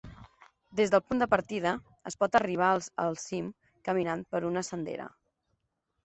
Des del punt de partida, es pot arribar al cim caminant per una sendera.